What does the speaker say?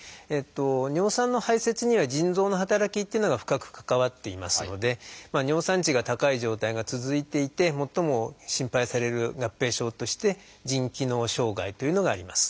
尿酸の排せつには腎臓の働きっていうのが深く関わっていますので尿酸値が高い状態が続いていて最も心配される合併症として腎機能障害というのがあります。